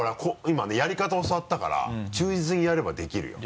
今ねやり方教わったから忠実にやればできるよ。